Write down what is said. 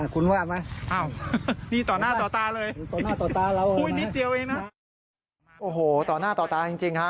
คุณว่าไหมนี่ต่อหน้าต่อตาเลยคุยนิดเดียวเองนะโอ้โหต่อหน้าต่อตาจริงค่ะ